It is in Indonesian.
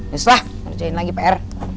yuslah percayain lagi pr